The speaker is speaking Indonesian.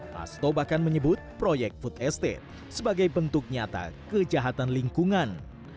hasto bahkan menyebut proyek food estate sebagai bentuk nyata kejahatan lingkungan